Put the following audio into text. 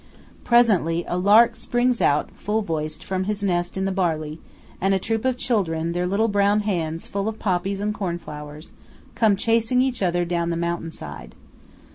Presently a lark springs out, full voiced, from his nest in the barley; and a troop of children, their little brown hands full of poppies and corn flowers, come chasing each other down the mountain side.